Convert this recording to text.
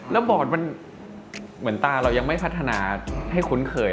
แล้วบอดมันเหมือนตาเรายังไม่พัฒนาให้คุ้นเคย